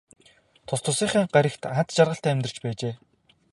Тус тусынхаа гаригт аз жаргалтай амьдарч байжээ.